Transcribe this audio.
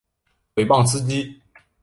毁谤司机